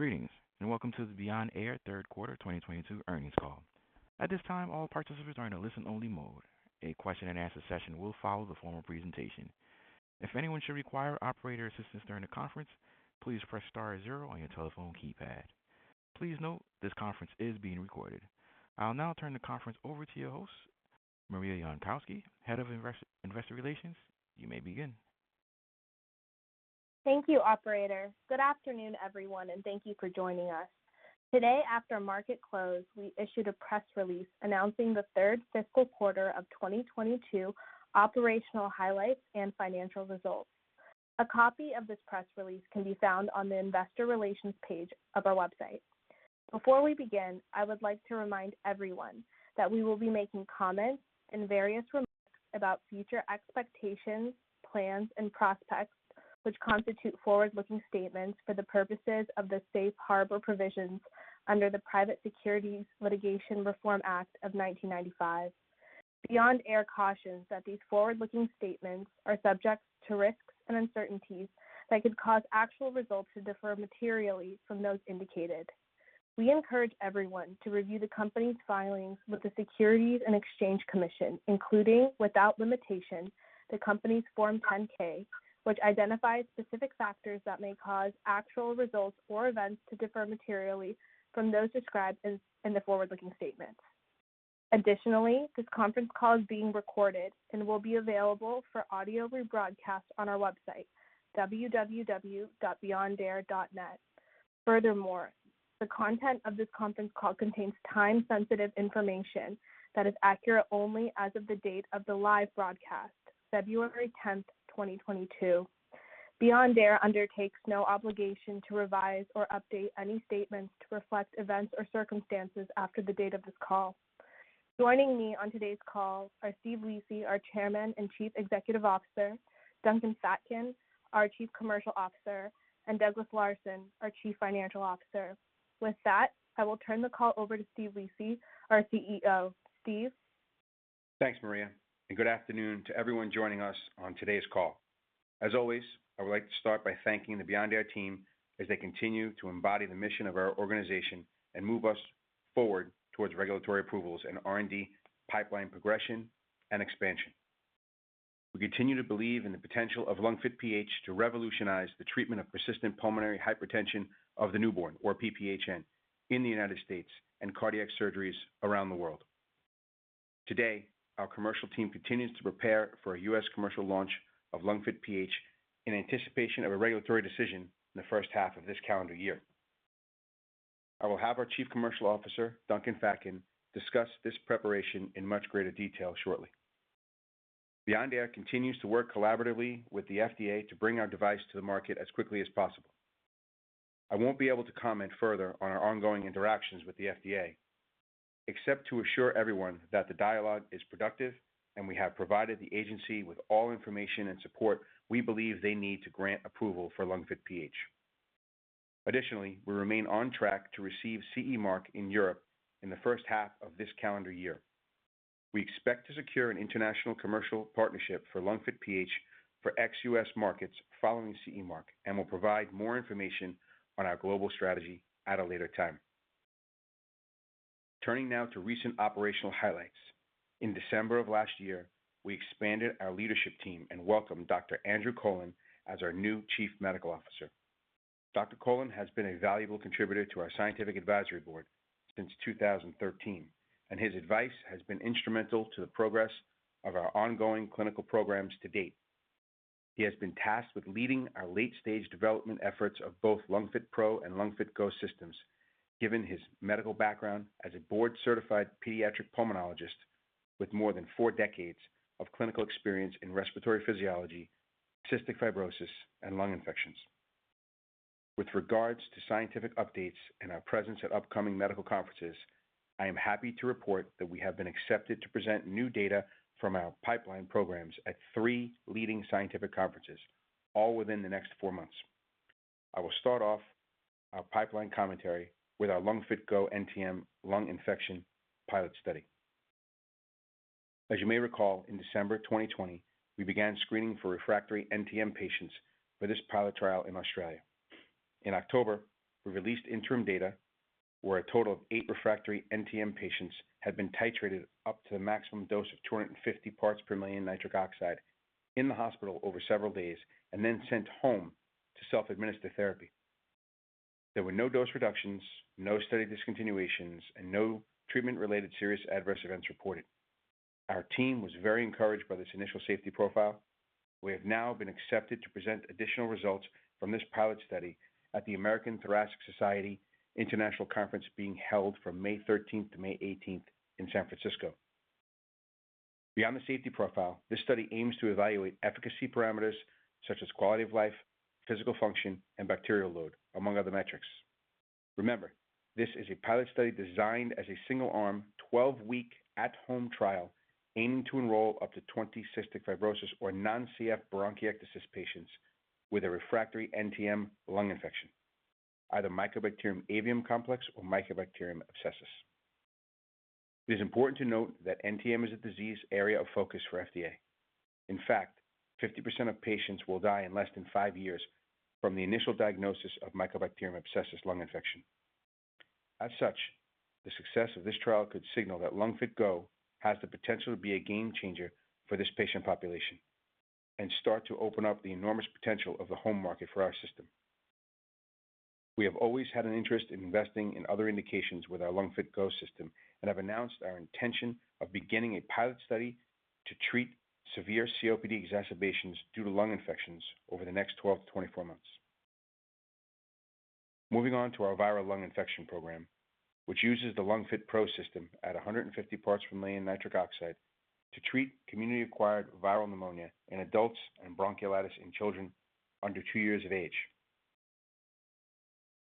Greetings, and welcome to the Beyond Air third quarter 2022 earnings call. At this time, all participants are in a listen-only mode. A question and answer session will follow the formal presentation. If anyone should require operator assistance during the conference, please press star zero on your telephone keypad. Please note this conference is being recorded. I'll now turn the conference over to your host, Maria Yonkoski, Head of Investor Relations. You may begin. Thank you, operator. Good afternoon, everyone, and thank you for joining us. Today, after market close, we issued a press release announcing the third fiscal quarter of 2022 operational highlights and financial results. A copy of this press release can be found on the investor relations page of our website. Before we begin, I would like to remind everyone that we will be making comments and various remarks about future expectations, plans, and prospects, which constitute forward-looking statements for the purposes of the safe harbor provisions under the Private Securities Litigation Reform Act of 1995. Beyond Air cautions that these forward-looking statements are subject to risks and uncertainties that could cause actual results to differ materially from those indicated. We encourage everyone to review the company's filings with the Securities and Exchange Commission, including, without limitation, the company's Form 10-K, which identifies specific factors that may cause actual results or events to differ materially from those described in the forward-looking statements. Additionally, this conference call is being recorded and will be available for audio rebroadcast on our website, www.beyondair.net. Furthermore, the content of this conference call contains time-sensitive information that is accurate only as of the date of the live broadcast, February 10th, 2022. Beyond Air undertakes no obligation to revise or update any statements to reflect events or circumstances after the date of this call. Joining me on today's call are Steve Lisi, our Chairman and Chief Executive Officer; Duncan Fatkin, our Chief Commercial Officer; and Douglas Larson, our Chief Financial Officer. With that, I will turn the call over to Steve Lisi, our CEO. Steve. Thanks, Maria, and good afternoon to everyone joining us on today's call. As always, I would like to start by thanking the Beyond Air team as they continue to embody the mission of our organization and move us forward towards regulatory approvals, and R&D pipeline progression and expansion. We continue to believe in the potential of LungFit PH to revolutionize the treatment of persistent pulmonary hypertension of the newborn, or PPHN, in the United States and cardiac surgeries around the world. Today, our commercial team continues to prepare for a U.S. commercial launch of LungFit PH in anticipation of a regulatory decision in the first half of this calendar year. I will have our Chief Commercial Officer, Duncan Fatkin, discuss this preparation in much greater detail shortly. Beyond Air continues to work collaboratively with the FDA to bring our device to the market as quickly as possible. I won't be able to comment further on our ongoing interactions with the FDA, except to assure everyone that the dialogue is productive and we have provided the agency with all information and support we believe they need to grant approval for LungFit PH. Additionally, we remain on track to receive CE mark in Europe in the first half of this calendar year. We expect to secure an international commercial partnership for LungFit PH for ex-U.S. markets following CE mark, and will provide more information on our global strategy at a later time. Turning now to recent operational highlights. In December of last year, we expanded our leadership team and welcomed Dr. Andrew Colin as our new Chief Medical Officer. Colin has been a valuable contributor to our scientific advisory board since 2013, and his advice has been instrumental to the progress of our ongoing clinical programs to date. He has been tasked with leading our late-stage development efforts of both LungFit PRO and LungFit GO systems, given his medical background as a board-certified pediatric pulmonologist with more than four decades of clinical experience in respiratory physiology, cystic fibrosis, and lung infections. With regards to scientific updates and our presence at upcoming medical conferences, I am happy to report that we have been accepted to present new data from our pipeline programs at three leading scientific conferences, all within the next four months. I will start off our pipeline commentary with our LungFit GO NTM lung infection pilot study. As you may recall, in December 2020, we began screening for refractory NTM patients for this pilot trial in Australia. In October, we released interim data where a total of eight refractory NTM patients had been titrated up to the maximum dose of 250 parts per million nitric oxide in the hospital over several days and then sent home to self-administer therapy. There were no dose reductions, no study discontinuations, and no treatment-related serious adverse events reported. Our team was very encouraged by this initial safety profile. We have now been accepted to present additional results from this pilot study at the American Thoracic Society International Conference, being held from May 13th to May 18th in San Francisco. Beyond the safety profile, this study aims to evaluate efficacy parameters such as quality of life, physical function, and bacterial load, among other metrics. Remember, this is a pilot study designed as a single-arm, 12-week at-home trial aiming to enroll up to 20 cystic fibrosis or non-CF bronchiectasis patients with a refractory NTM lung infection, either Mycobacterium avium complex or Mycobacterium abscessus. It is important to note that NTM is a disease area of focus for FDA. In fact, 50% of patients will die in less than five years from the initial diagnosis of Mycobacterium abscessus lung infection. As such, the success of this trial could signal that LungFit GO has the potential to be a game changer for this patient population and start to open up the enormous potential of the home market for our system. We have always had an interest in investing in other indications with our LungFit GO system and have announced our intention of beginning a pilot study to treat severe COPD exacerbations due to lung infections over the next 12-24 months. Moving on to our viral lung infection program, which uses the LungFit PRO system at 150 ppm nitric oxide to treat community-acquired viral pneumonia in adults and bronchiolitis in children under two years of age.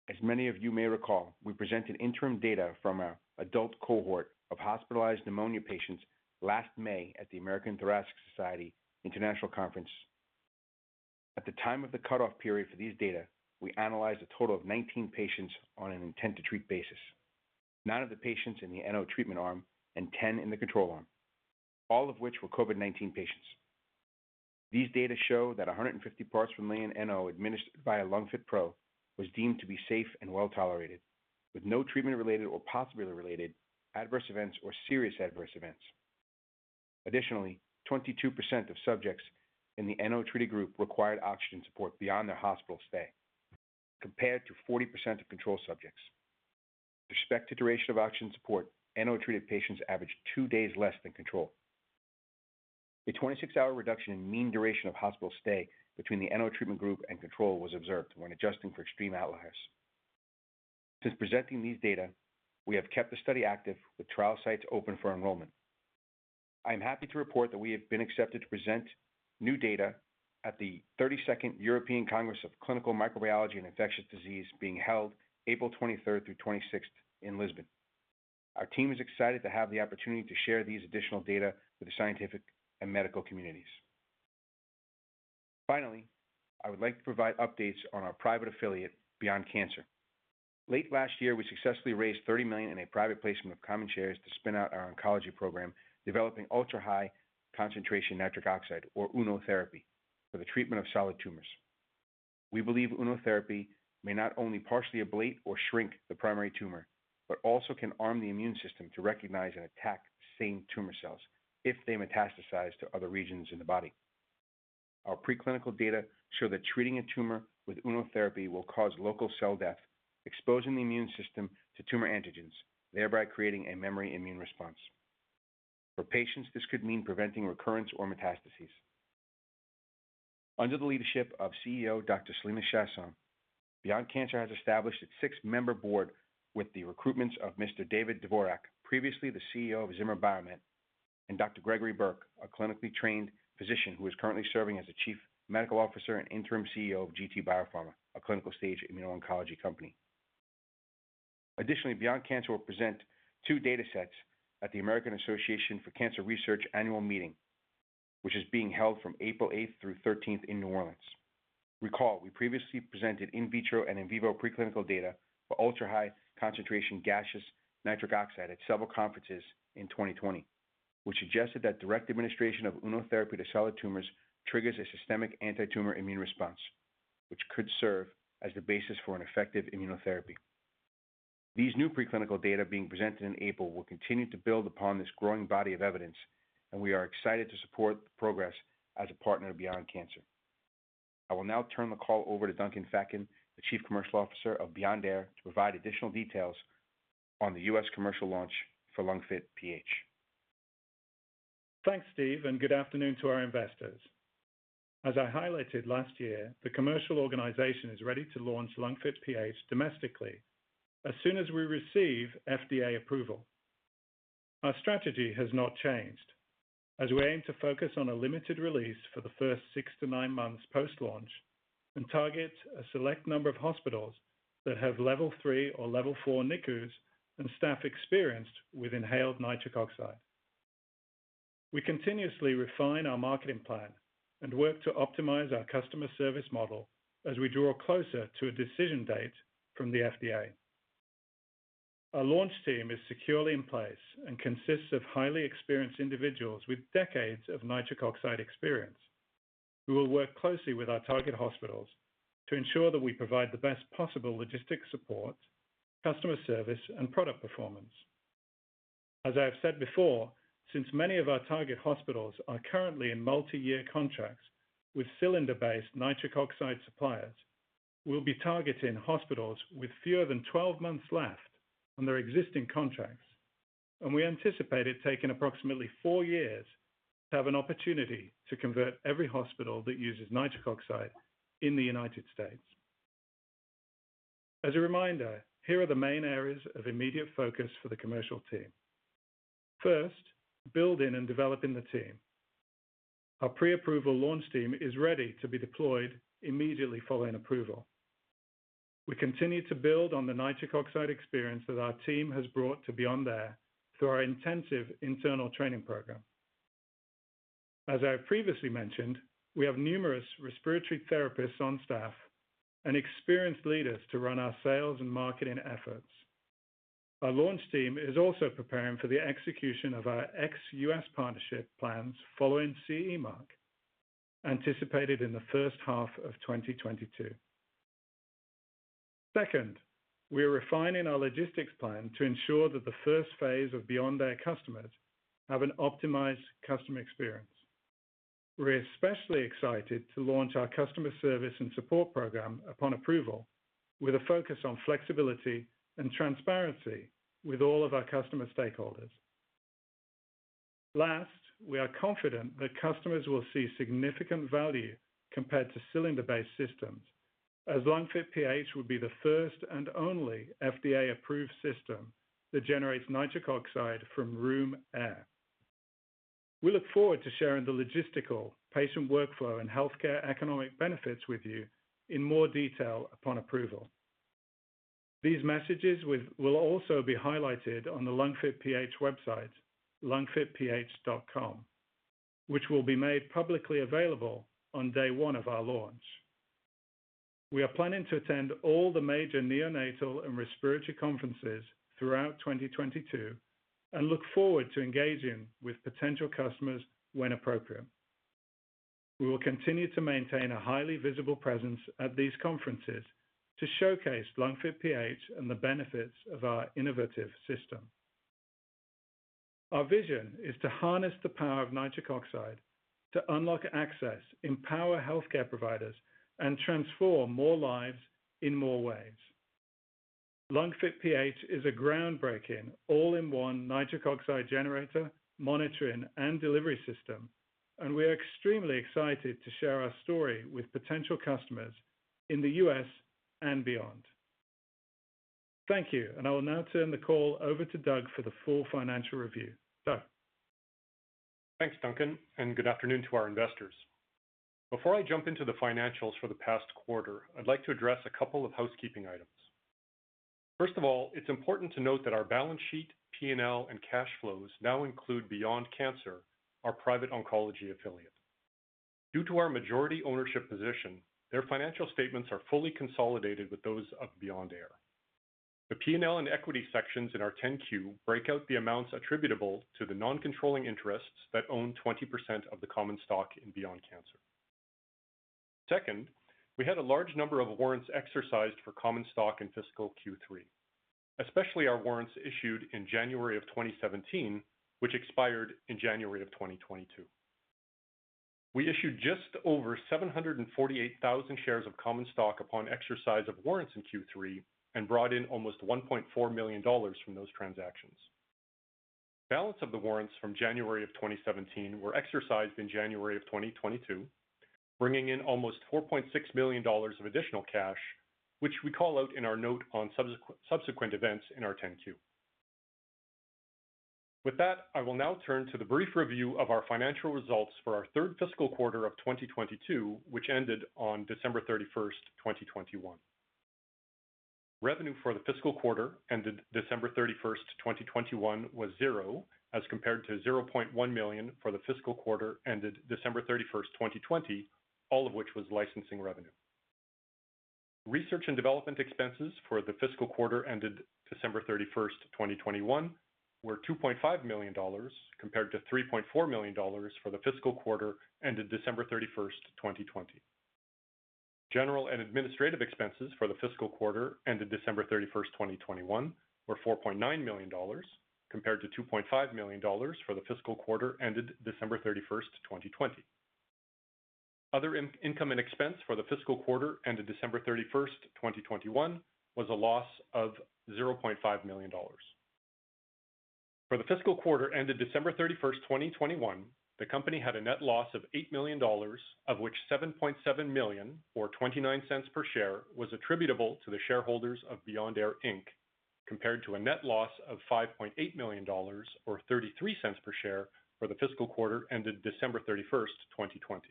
As many of you may recall, we presented interim data from our adult cohort of hospitalized pneumonia patients last May at the American Thoracic Society International Conference. At the time of the cutoff period for these data, we analyzed a total of 19 patients on an intent-to-treat basis, nine of the patients in the NO treatment arm and 10 in the control arm, all of which were COVID-19 patients. These data show that 150 parts per million NO administered by a LungFit PRO was deemed to be safe and well-tolerated, with no treatment-related or possibly related adverse events or serious adverse events. Additionally, 22% of subjects in the NO-treated group required oxygen support beyond their hospital stay, compared to 40% of control subjects. With respect to duration of oxygen support, NO-treated patients averaged two days less than control. A 26-hour reduction in mean duration of hospital stay between the NO treatment group and control was observed when adjusting for extreme outliers. Since presenting these data, we have kept the study active with trial sites open for enrollment. I am happy to report that we have been accepted to present new data at the 32nd European Congress of Clinical Microbiology & Infectious Diseases, being held April 23 through 26 in Lisbon. Our team is excited to have the opportunity to share these additional data with the scientific and medical communities. Finally, I would like to provide updates on our private affiliate, Beyond Cancer. Late last year, we successfully raised $30 million in a private placement of common shares to spin out our oncology program, developing ultra-high concentration nitric oxide or UNO therapy for the treatment of solid tumors. We believe UNO therapy may not only partially ablate or shrink the primary tumor, but also can arm the immune system to recognize and attack the same tumor cells if they metastasize to other regions in the body. Our preclinical data show that treating a tumor with UNO therapy will cause local cell death, exposing the immune system to tumor antigens, thereby creating a memory immune response. For patients, this could mean preventing recurrence or metastases. Under the leadership of CEO Dr. Selena Chaisson, Beyond Cancer has established its six-member board with the recruitments of Mr. David Dvorak, previously the CEO of Zimmer Biomet, and Dr. Gregory Berk, a clinically trained physician who is currently serving as the Chief Medical Officer and Interim CEO of GT Biopharma, a clinical-stage immuno-oncology company. Additionally, Beyond Cancer will present two datasets at the American Association for Cancer Research annual meeting, which is being held from April 8 through 13 in New Orleans. Recall, we previously presented in vitro and in vivo preclinical data for ultra-high concentration gaseous nitric oxide at several conferences in 2020, which suggested that direct administration of UNO therapy to solid tumors triggers a systemic antitumor immune response, which could serve as the basis for an effective immunotherapy. These new preclinical data being presented in April will continue to build upon this growing body of evidence, and we are excited to support the progress as a partner of Beyond Cancer. I will now turn the call over to Duncan Fatkin, the Chief Commercial Officer of Beyond Air, to provide additional details on the U.S. commercial launch for LungFit PH. Thanks, Steve, and good afternoon to our investors. As I highlighted last year, the commercial organization is ready to launch LungFit PH domestically as soon as we receive FDA approval. Our strategy has not changed, as we aim to focus on a limited release for the first 6-9 months post-launch and target a select number of hospitals that have level 3 or level 4 NICUs and staff experienced with inhaled nitric oxide. We continuously refine our marketing plan and work to optimize our customer service model as we draw closer to a decision date from the FDA. Our launch team is securely in place and consists of highly experienced individuals with decades of nitric oxide experience, who will work closely with our target hospitals to ensure that we provide the best possible logistics support, customer service, and product performance. As I have said before, since many of our target hospitals are currently in multi-year contracts with cylinder-based nitric oxide suppliers, we'll be targeting hospitals with fewer than 12 months left on their existing contracts, and we anticipate it taking approximately four years to have an opportunity to convert every hospital that uses nitric oxide in the United States. As a reminder, here are the main areas of immediate focus for the commercial team. First, building and developing the team. Our pre-approval launch team is ready to be deployed immediately following approval. We continue to build on the nitric oxide experience that our team has brought to Beyond Air through our intensive internal training program. As I previously mentioned, we have numerous respiratory therapists on staff and experienced leaders to run our sales and marketing efforts. Our launch team is also preparing for the execution of our ex-U.S. partnership plans following CE mark, anticipated in the first half of 2022. Second, we are refining our logistics plan to ensure that the first phase of Beyond Air customers have an optimized customer experience. We're especially excited to launch our customer service and support program upon approval, with a focus on flexibility and transparency with all of our customer stakeholders. Last, we are confident that customers will see significant value compared to cylinder-based systems as LungFit PH will be the first and only FDA-approved system that generates nitric oxide from room air. We look forward to sharing the logistical, patient workflow, and healthcare economic benefits with you in more detail upon approval. These messages will also be highlighted on the LungFit PH website, lungfitph.com, which will be made publicly available on day one of our launch. We are planning to attend all the major neonatal and respiratory conferences throughout 2022 and look forward to engaging with potential customers when appropriate. We will continue to maintain a highly visible presence at these conferences to showcase LungFit PH and the benefits of our innovative system. Our vision is to harness the power of nitric oxide to unlock access, empower healthcare providers, and transform more lives in more ways. LungFit PH is a groundbreaking, all-in-one nitric oxide generator, monitoring, and delivery system, and we are extremely excited to share our story with potential customers in the U.S. and beyond. Thank you, and I will now turn the call over to Doug for the full financial review. Doug. Thanks, Duncan, and good afternoon to our investors. Before I jump into the financials for the past quarter, I'd like to address a couple of housekeeping items. First of all, it's important to note that our balance sheet, P&L, and cash flows now include Beyond Cancer, our private oncology affiliate. Due to our majority ownership position, their financial statements are fully consolidated with those of Beyond Air. The P&L and equity sections in our 10-Q break out the amounts attributable to the non-controlling interests that own 20% of the common stock in Beyond Cancer. Second, we had a large number of warrants exercised for common stock in fiscal Q3, especially our warrants issued in January of 2017, which expired in January of 2022. We issued just over 748,000 shares of common stock upon exercise of warrants in Q3 and brought in almost $1.4 million from those transactions. Balance of the warrants from January 2017 were exercised in January 2022, bringing in almost $4.6 million of additional cash, which we call out in our note on subsequent events in our 10-Q. With that, I will now turn to the brief review of our financial results for our third fiscal quarter of 2022, which ended on December 31, 2021. Revenue for the fiscal quarter ended December 31, 2021, was $0, as compared to $0.1 million for the fiscal quarter ended December 31, 2020, all of which was licensing revenue. Research and development expenses for the fiscal quarter ended December 31, 2021, were $2.5 million compared to $3.4 million for the fiscal quarter ended December 31, 2020. General and administrative expenses for the fiscal quarter ended December 31, 2021, were $4.9 million compared to $2.5 million for the fiscal quarter ended December 31, 2020. Other income and expense for the fiscal quarter ended December 31, 2021, was a loss of $0.5 million. For the fiscal quarter ended December 31, 2021, the company had a net loss of $8 million, of which $7.7 million, or $0.29 per share, was attributable to the shareholders of Beyond Air, Inc., compared to a net loss of $5.8 million, or $0.33 per share, for the fiscal quarter ended December 31, 2020.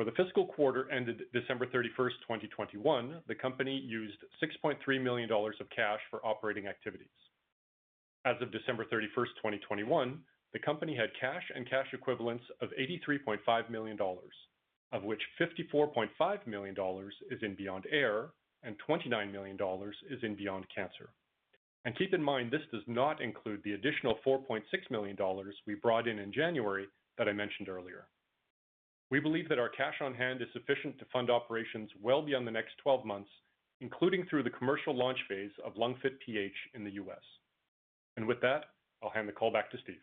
For the fiscal quarter ended December 31, 2021, the company used $6.3 million of cash for operating activities. As of December 31, 2021, the company had cash and cash equivalents of $83.5 million, of which $54.5 million is in Beyond Air and $29 million is in Beyond Cancer. Keep in mind, this does not include the additional $4.6 million we brought in in January that I mentioned earlier. We believe that our cash on hand is sufficient to fund operations well beyond the next 12 months, including through the commercial launch phase of LungFit PH in the U.S. With that, I'll hand the call back to Steve.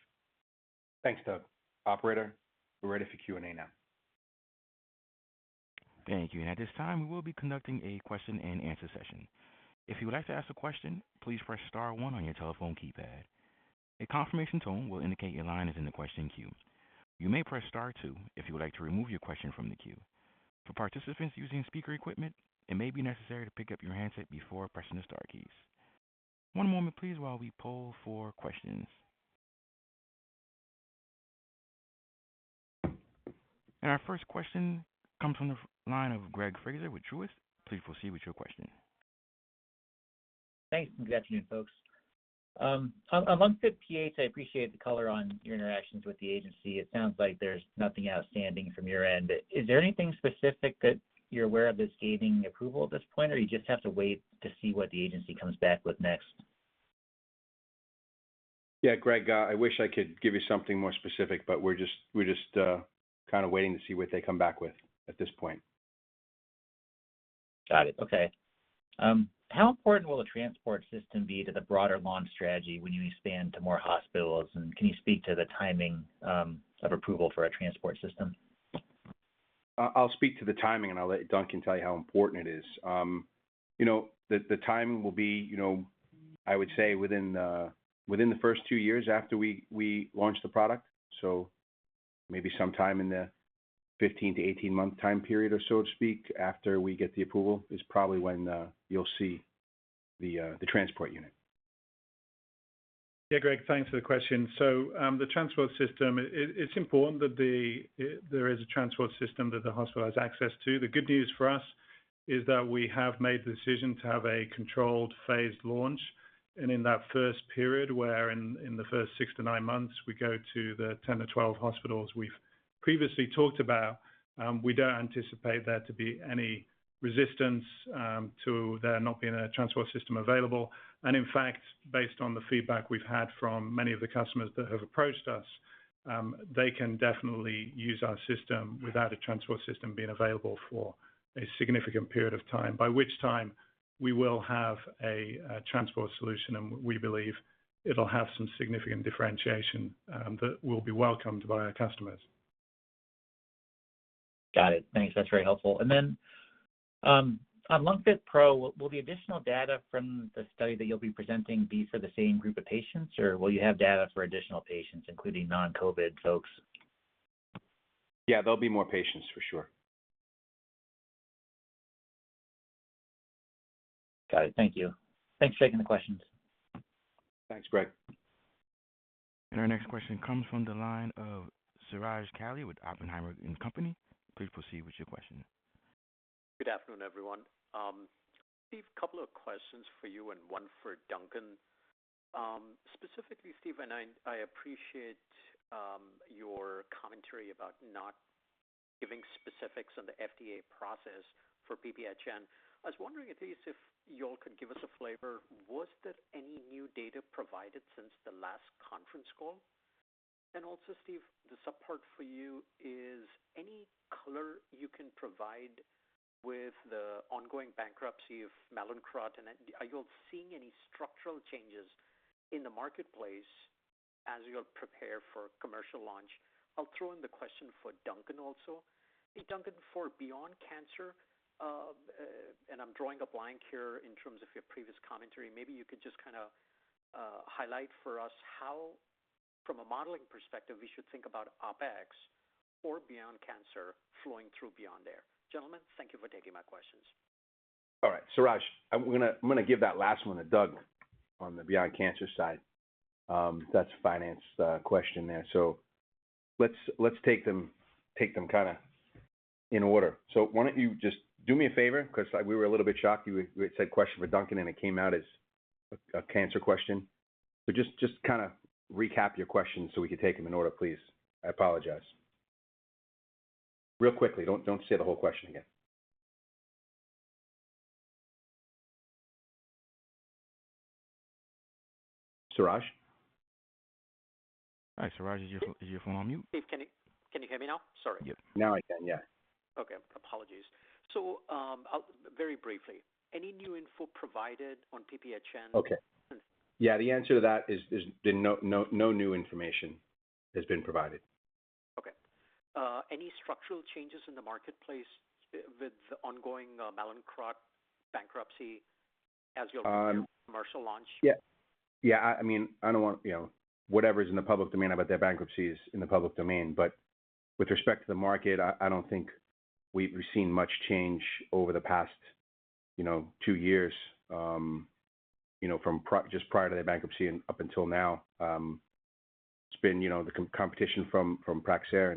Thanks, Doug. Operator, we're ready for Q&A now. Thank you. At this time, we will be conducting a question-and-answer session. If you would like to ask a question, please press star one on your telephone keypad. A confirmation tone will indicate your line is in the question queue. You may press star two if you would like to remove your question from the queue. For participants using speaker equipment, it may be necessary to pick up your handset before pressing the star keys. One moment, please, while we poll for questions. Our first question comes from the line of Greg Fraser with Truist. Please proceed with your question. Thanks, and good afternoon, folks. On LungFit PH, I appreciate the color on your interactions with the agency. It sounds like there's nothing outstanding from your end. Is there anything specific that you're aware of that's gaining approval at this point, or you just have to wait to see what the agency comes back with next? Yeah, Greg, I wish I could give you something more specific, but we're just kind of waiting to see what they come back with at this point. Got it. Okay. How important will the transport system be to the broader launch strategy when you expand to more hospitals? Can you speak to the timing of approval for a transport system? I'll speak to the timing, and I'll let Duncan tell you how important it is. You know, the timing will be, you know, I would say within the first two years after we launch the product. Maybe sometime in the 15-18-month time period or so to speak, after we get the approval, is probably when you'll see the transport unit. Yeah, Greg, thanks for the question. The transport system, it's important that there is a transport system that the hospital has access to. The good news for us is that we have made the decision to have a controlled phased launch. In that first period, in the first 6-9 months, we go to the 10-12 hospitals we've previously talked about, we don't anticipate there to be any resistance to there not being a transport system available. In fact, based on the feedback we've had from many of the customers that have approached us, they can definitely use our system without a transport system being available for a significant period of time, by which time we will have a transport solution. We believe it'll have some significant differentiation that will be welcomed by our customers. Got it. Thanks. That's very helpful. On LungFit PRO, will the additional data from the study that you'll be presenting be for the same group of patients, or will you have data for additional patients, including non-COVID folks? Yeah, there'll be more patients for sure. Got it. Thank you. Thanks for taking the questions. Thanks, Greg. Our next question comes from the line of Suraj Kalia with Oppenheimer & Co. Please proceed with your question. Good afternoon, everyone. Steve, couple of questions for you and one for Duncan. Specifically, Steve, I appreciate your commentary about not giving specifics on the FDA process for PPHN. I was wondering at least if y'all could give us a flavor. Was there any new data provided since the last conference call? Also, Steve, the sub-part for you is any color you can provide with the ongoing bankruptcy of Mallinckrodt, and are y'all seeing any structural changes in the marketplace as you prepare for commercial launch? I'll throw in the question for Duncan also. Hey, Duncan, for Beyond Cancer, and I'm drawing a blank here in terms of your previous commentary, maybe you could just kinda highlight for us how from a modeling perspective we should think about OpEx for Beyond Cancer flowing through Beyond Air. Gentlemen, thank you for taking my questions. All right. Suraj, I'm gonna give that last one to Doug on the Beyond Cancer side. That's a finance question there. Let's take them kinda in order. Why don't you just do me a favor? 'Cause we were a little bit shocked you had said a question for Duncan, and it came out as a cancer question. Just kinda recap your question so we can take them in order, please. I apologize. Really quickly. Don't say the whole question again. Suraj? All right, Suraj, is your phone on mute? Steve, can you hear me now? Sorry. Yeah. Now I can, yeah. Okay, apologies. Very briefly, any new info provided on PPHN? Okay. Yeah, the answer to that is, no new information has been provided. Okay. Any structural changes in the marketplace with the ongoing Mallinckrodt bankruptcy as you prepare for commercial launch? Yeah. I mean, I don't want you know, whatever's in the public domain about their bankruptcy is in the public domain. With respect to the market, I don't think we've seen much change over the past, you know, two years, you know, from just prior to their bankruptcy and up until now. It's been, you know, the competition from Praxair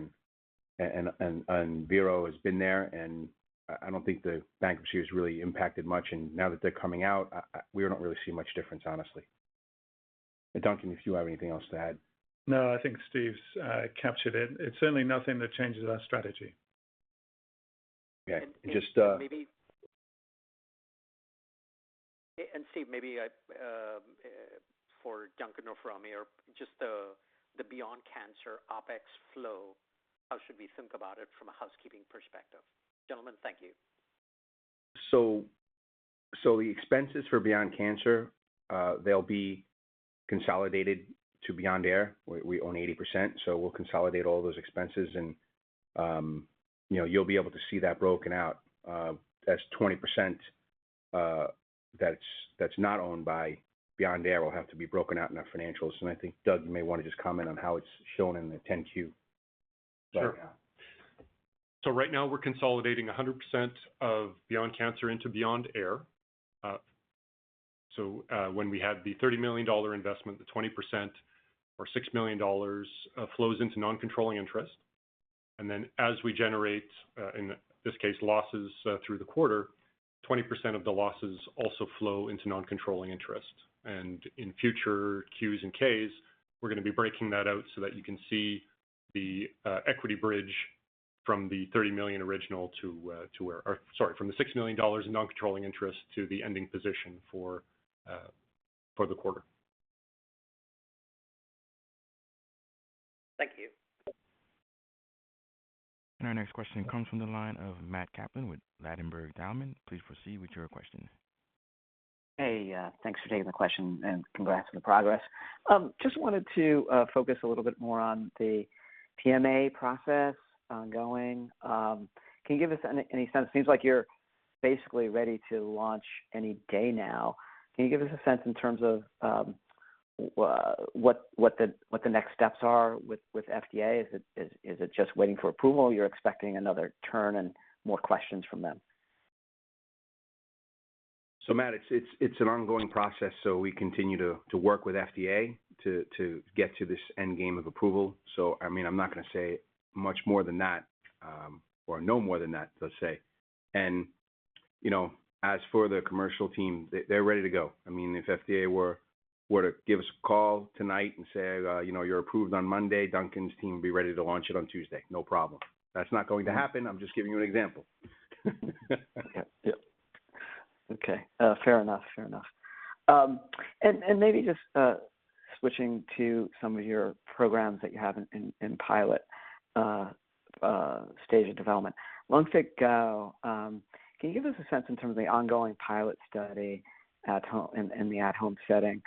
and VERO has been there, and I don't think the bankruptcy has really impacted much. Now that they're coming out, we don't really see much difference, honestly. Duncan, if you have anything else to add. No, I think Steve's captured it. It's certainly nothing that changes our strategy. Okay. Just Steve, maybe for Duncan or from you, just the Beyond Cancer OpEx flow, how should we think about it from a housekeeping perspective? Gentlemen, thank you. The expenses for Beyond Cancer, they'll be consolidated to Beyond Air. We own 80%, so we'll consolidate all those expenses and, you know, you'll be able to see that broken out. That's 20%, that's not owned by Beyond Air, will have to be broken out in our financials. I think, Doug, you may wanna just comment on how it's shown in the 10-Q. Sure. Right now we're consolidating 100% of Beyond Cancer into Beyond Air. When we had the $30 million investment, the 20% or $6 million dollars flows into non-controlling interest. As we generate, in this case, losses through the quarter, 20% of the losses also flow into non-controlling interest. In future Qs and Ks, we're gonna be breaking that out so that you can see the equity bridge from the $6 million in non-controlling interest to the ending position for the quarter. Thank you. Our next question comes from the line of Matt Kaplan with Ladenburg Thalmann. Please proceed with your question. Hey, thanks for taking the question, and congrats on the progress. Just wanted to focus a little bit more on the PMA process ongoing. Can you give us any sense? Seems like you're basically ready to launch any day now. Can you give us a sense in terms of what the next steps are with FDA? Is it just waiting for approval? You're expecting another turn and more questions from them? Matt, it's an ongoing process, so we continue to work with FDA to get to this end game of approval. I mean, I'm not gonna say much more than that, or no more than that, let's say. You know, as for the commercial team, they're ready to go. I mean, if FDA were to give us a call tonight and say, you know, "You're approved on Monday," Duncan's team would be ready to launch it on Tuesday, no problem. That's not going to happen. I'm just giving you an example. Fair enough. And maybe just switching to some of your programs that you have in pilot stage of development. LungFit GO, can you give us a sense in terms of the ongoing pilot study at home, in the at-home setting?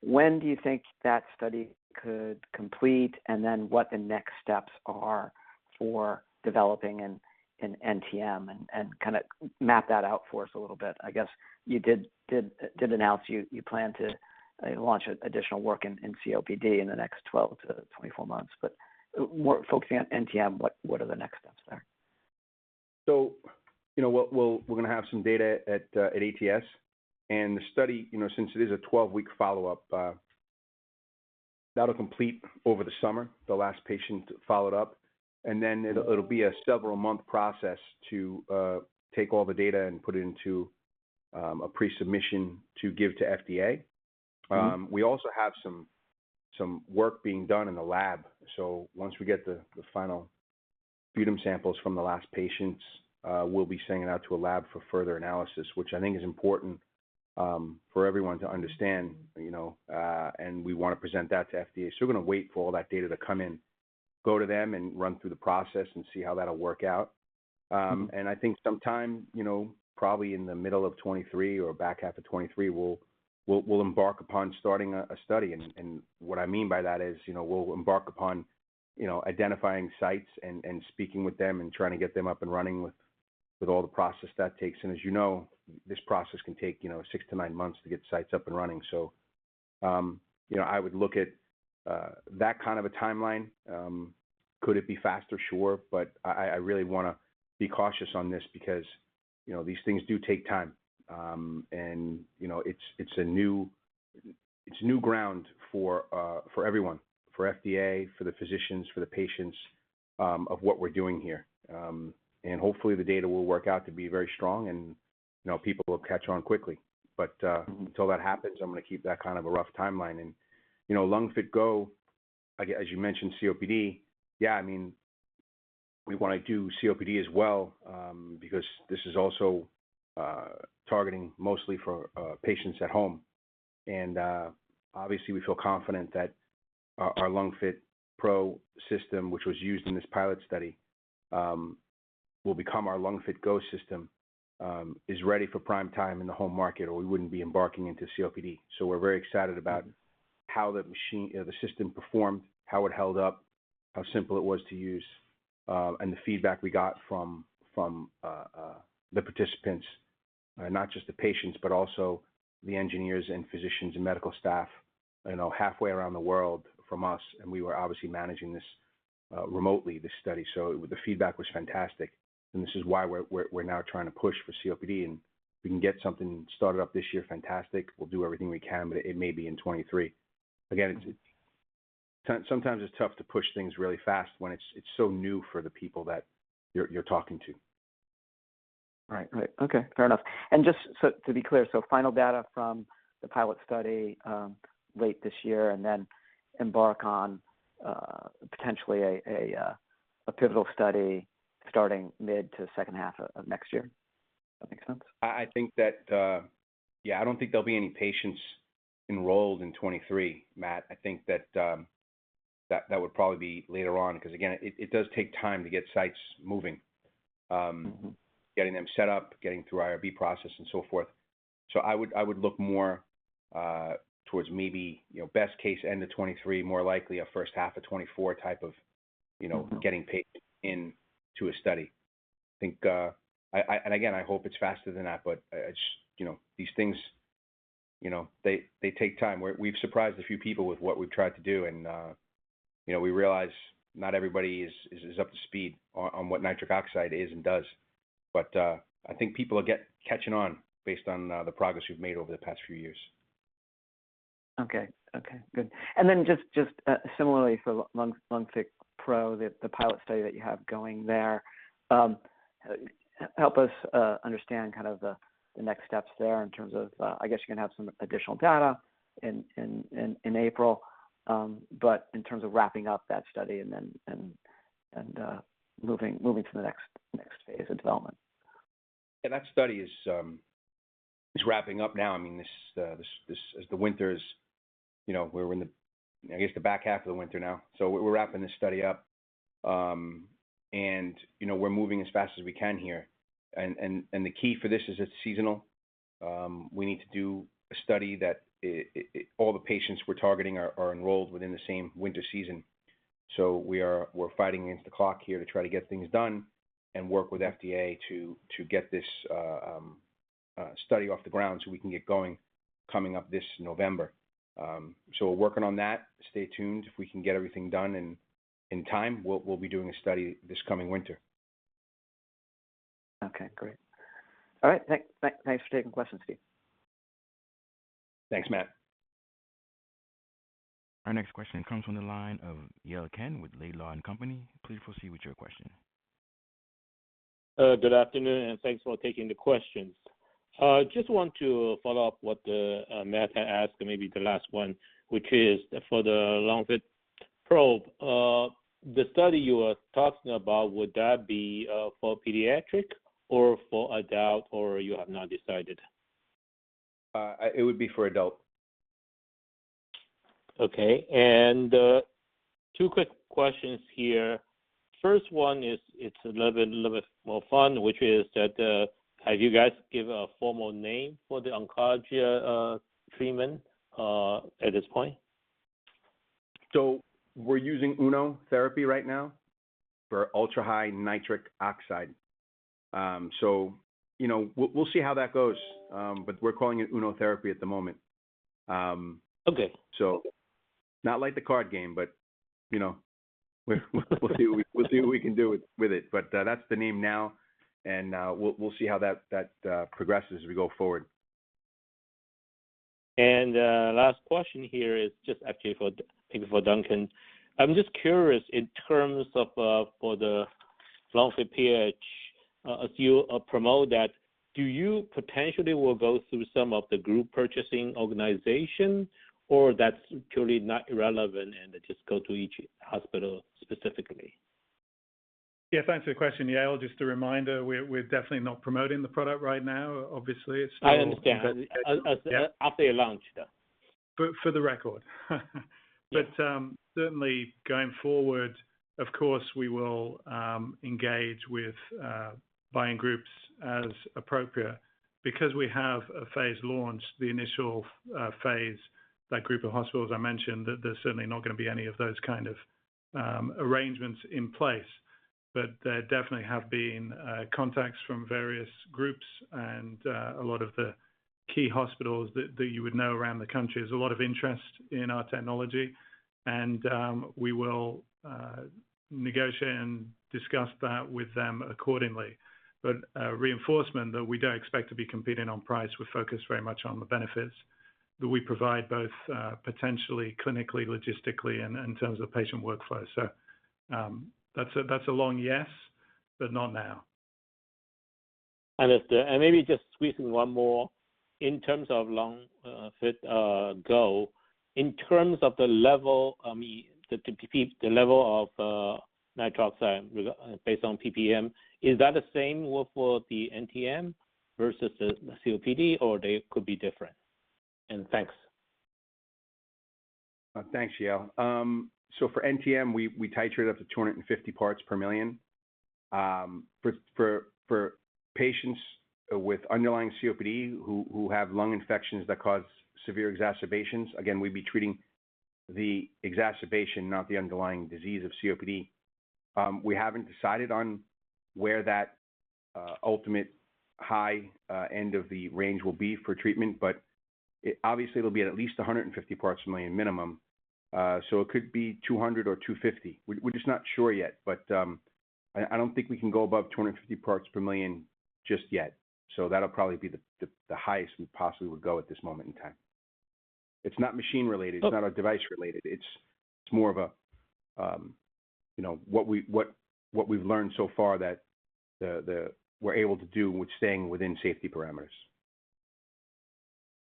When do you think that study could complete, and then what the next steps are for developing an NTM and kinda map that out for us a little bit? I guess you did announce you plan to launch additional work in COPD in the next 12-24 months. Focusing on NTM, what are the next steps there? You know, we'll we're gonna have some data at ATS. The study, you know, since it is a 12-week follow-up, that'll complete over the summer, the last patient followed up. It'll be a several-month process to take all the data and put it into a pre-submission to give to FDA. We also have some work being done in the lab. Once we get the final sputum samples from the last patients, we'll be sending it out to a lab for further analysis, which I think is important for everyone to understand, you know, and we wanna present that to FDA. We're gonna wait for all that data to come in, go to them, and run through the process and see how that'll work out. I think sometime, you know, probably in the middle of 2023 or back half of 2023, we'll embark upon starting a study. What I mean by that is, you know, we'll embark upon identifying sites and speaking with them and trying to get them up and running with all the process that takes. As you know, this process can take, you know, 6-9 months to get sites up and running. You know, I would look at that kind of a timeline. Could it be faster? Sure. I really want to be cautious on this because, you know, these things do take time. You know, it's new ground for everyone, for FDA, for the physicians, for the patients, of what we're doing here. Hopefully, The data will work out to be very strong and, you know, people will catch on quickly. But until that happens, I'm gonna keep that kind of a rough timeline. You know, LungFit GO, like as you mentioned, COPD, yeah, I mean, we wanna do COPD as well, because this is also targeting mostly for patients at home. Obviously, we feel confident that our LungFit PRO system, which was used in this pilot study, will become our LungFit GO system is ready for prime time in the home market, or we wouldn't be embarking into COPD. We're very excited about how the machine, you know, the system performed, how it held up, how simple it was to use, and the feedback we got from the participants, not just the patients, but also the engineers and physicians and medical staff, you know, halfway around the world from us, and we were obviously managing this remotely, this study. The feedback was fantastic, and this is why we're now trying to push for COPD. If we can get something started up this year, fantastic. We'll do everything we can, but it may be in 2023. Again, it's sometimes tough to push things really fast when it's so new for the people that you're talking to. Right. Okay. Fair enough. Just so to be clear, final data from the pilot study late this year and then embark on potentially a pivotal study starting mid to second half of next year. That make sense? I think, yeah, I don't think there'll be any patients enrolled in 2023, Matt. I think that would probably be later on, 'cause again, it does take time to get sites moving. Getting them set up, getting through IRB process and so forth. I would look more towards maybe, you know, best case end of 2023, more likely a first half of 2024 type of, you know, getting patients into a study. I think and again, I hope it's faster than that, but you know, these things, you know, they take time. We've surprised a few people with what we've tried to do, and you know, we realize not everybody is up to speed on what nitric oxide is and does. I think people are catching on based on the progress we've made over the past few years. Okay, good. Just similarly for LungFit PRO, the pilot study that you have going there, help us understand kind of the next steps there in terms of, I guess you're gonna have some additional data in April. In terms of wrapping up that study and then moving to the next phase of development. Yeah, that study is wrapping up now. As the winter is, you know, we're in the back half of the winter now, so we're wrapping this study up. You know, we're moving as fast as we can here. The key for this is it's seasonal. We need to do a study that all the patients we're targeting are enrolled within the same winter season. We're fighting against the clock here to try to get things done and work with FDA to get this study off the ground so we can get going coming up this November. We're working on that. Stay tuned. If we can get everything done in time, we'll be doing a study this coming winter. Okay, great. All right. Thanks for taking questions, Steve. Thanks, Matt. Our next question comes from the line of Yale Jen with Laidlaw & Company. Please proceed with your question. Good afternoon, and thanks for taking the questions. I just want to follow up what Matt had asked, maybe the last one, which is for the LungFit PRO, the study you were talking about, would that be for pediatric or for adult, or you have not decided? It would be for adult. Okay. Two quick questions here. First one is, it's a little bit more fun, which is that, have you guys give a formal name for the oncology treatment at this point? We're using UNO therapy right now for ultra-high nitric oxide. You know, we'll see how that goes. We're calling it UNO therapy at the moment. Okay. Not like the card game, but, you know, we'll see what we can do with it. That's the name now, and we'll see how that progresses as we go forward. Last question here is just actually for—I think for Duncan. I'm just curious in terms of for the LungFit PH, as you promote that, do you potentially will go through some of the group purchasing organization, or that's purely not relevant, and just go to each hospital specifically? Yeah, thanks for the question, Yale. Just a reminder, we're definitely not promoting the product right now, obviously. It's still- I understand. Yeah. After you launch, though. For the record. Certainly, going forward, of course, we will engage with buying groups as appropriate. Because we have a phased launch, the initial phase, that group of hospitals I mentioned, there's certainly not gonna be any of those kind of arrangements in place. There definitely have been contacts from various groups and a lot of the key hospitals that you would know around the country. There's a lot of interest in our technology, and we will negotiate and discuss that with them accordingly. Reinforcement that we don't expect to be competing on price. We're focused very much on the benefits that we provide, both potentially clinically, logistically, and in terms of patient workflow. That's a long yes, but not now. Understood. Maybe just squeezing one more. In terms of LungFit GO, in terms of the level, I mean, the level of nitric oxide required based on PPM, is that the same as for the NTM versus the COPD, or they could be different? Thanks. Thanks, Yale. So for NTM, we titrate up to 250 parts per million. For patients with underlying COPD who have lung infections that cause severe exacerbations, again, we'd be treating the exacerbation, not the underlying disease of COPD. We haven't decided on where that ultimate high end of the range will be for treatment, but it obviously will be at least 150 parts per million minimum. So it could be 200 or 250. We're just not sure yet. But I don't think we can go above 250 parts per million just yet. So that'll probably be the highest we possibly would go at this moment in time. It's not machine-related. It's not device-related. It's more of a, you know, what we've learned so far that we're able to do with staying within safety parameters.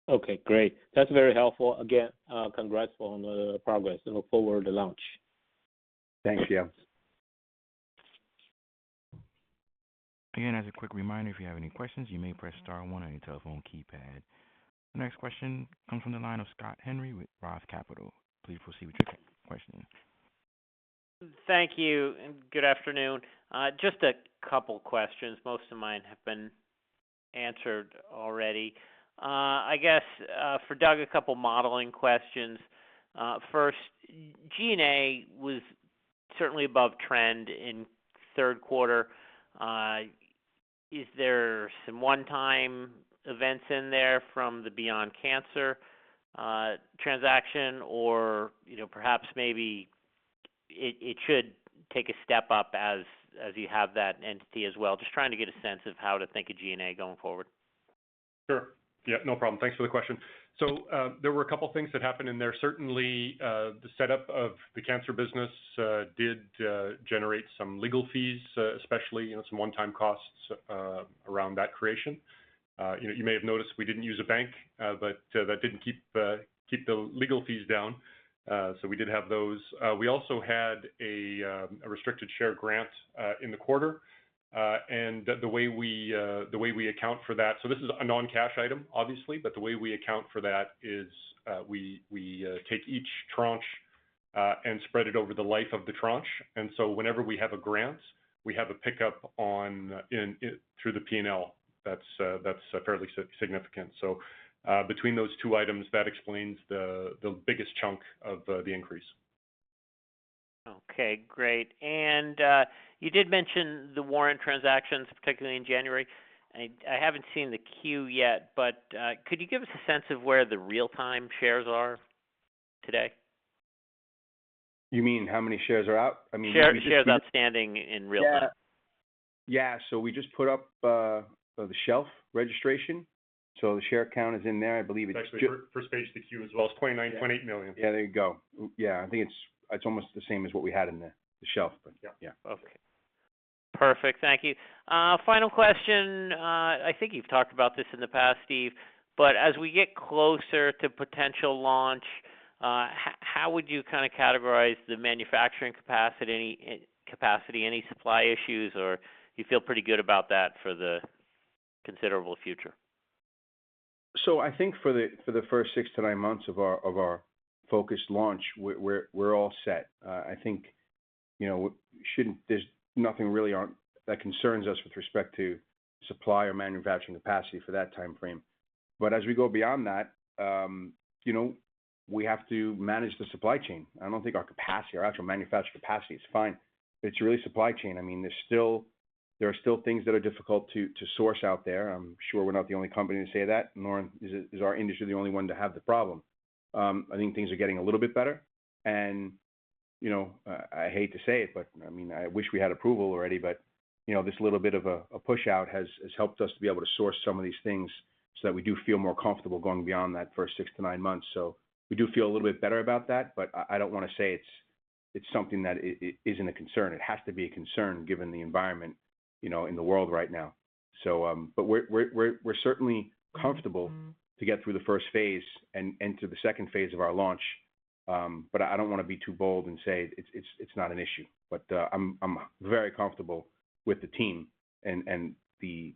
Okay, great. That's very helpful. Again, congrats on the progress and look forward to launch. Thanks, Yale. Again, as a quick reminder, if you have any questions, you may press star one on your telephone keypad. Next question comes from the line of Scott Henry with Roth Capital. Please proceed with your question. Thank you, and good afternoon. Just a couple questions. Most of mine have been answered already. I guess, for Doug, a couple modeling questions. First, G&A was certainly above trend in third quarter. Is there some one-time events in there from the Beyond Cancer transaction, or, you know, perhaps it should take a step up as you have that entity as well. Just trying to get a sense of how to think of G&A going forward. Sure. Yeah, no problem. Thanks for the question. There were a couple things that happened in there. Certainly, the setup of the cancer business did generate some legal fees, especially, you know, some one-time costs around that creation. You know, you may have noticed we didn't use a bank, but that didn't keep the legal fees down. We did have those. We also had a restricted share grant in the quarter. The way we account for that. This is a non-cash item, obviously. The way we account for that is, we take each tranche and spread it over the life of the tranche. Whenever we have a grant, we have a pickup through the P&L that's fairly significant. Between those two items, that explains the biggest chunk of the increase. Okay, great. You did mention the warrant transactions, particularly in January. I haven't seen the Q yet, but could you give us a sense of where the real-time shares are today? You mean how many shares are out? I mean Shares outstanding in real time. Yeah. We just put up the shelf registration, so the share count is in there. I believe it's Actually, for Stage IIQ as well, it's $0.98 million. Yeah, there you go. Yeah. I think it's almost the same as what we had in the shelf. Yeah. Yeah. Okay. Perfect. Thank you. Final question. I think you've talked about this in the past, Steve, but as we get closer to potential launch, how would you kind of categorize the manufacturing capacity, any supply issues, or you feel pretty good about that for the considerable future? I think for the first 6-9 months of our focused launch, we're all set. I think, you know, there's nothing really on that concerns us with respect to supply or manufacturing capacity for that timeframe. As we go beyond that, you know, we have to manage the supply chain. I don't think our actual manufacture capacity is fine, but it's really supply chain. I mean, there are still things that are difficult to source out there. I'm sure we're not the only company to say that, nor is our industry the only one to have the problem. I think things are getting a little bit better and, you know, I hate to say it, but I mean, I wish we had approval already, but, you know, this little bit of a push-out has helped us to be able to source some of these things so that we do feel more comfortable going beyond that first 6-9 months. We do feel a little bit better about that, but I don't wanna say it's not a concern. It has to be a concern given the environment, you know, in the world right now. We're certainly comfortable to get through the first phase and to the second phase of our launch. I don't wanna be too bold and say it's not an issue. I'm very comfortable with the team and the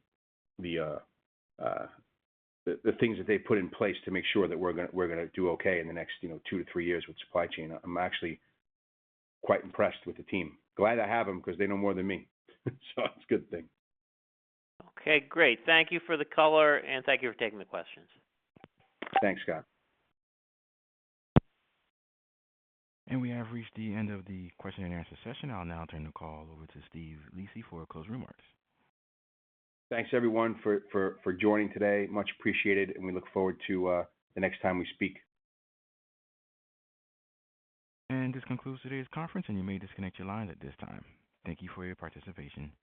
things that they've put in place to make sure that we're gonna do okay in the next, you know, two to three years with supply chain. I'm actually quite impressed with the team. Glad I have them 'cause they know more than me. It's a good thing. Okay, great. Thank you for the color, and thank you for taking the questions. Thanks, Scott. We have reached the end of the question and answer session. I'll now turn the call over to Steve Lisi for closing remarks. Thanks, everyone, for joining today. Much appreciated, and we look forward to the next time we speak. This concludes today's conference, and you may disconnect your lines at this time. Thank you for your participation.